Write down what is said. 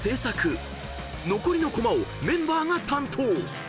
［残りのコマをメンバーが担当］